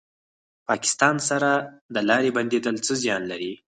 د پاکستان سره د لارې بندیدل څه زیان لري؟